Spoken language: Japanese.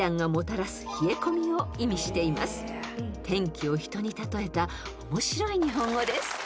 ［天気を人に例えた面白い日本語です］